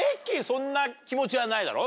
そんな気持ちはないだろ？